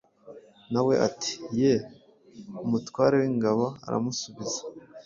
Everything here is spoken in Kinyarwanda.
Na we ati ‘Yee.’ Umutware w’ingabo aramusubiza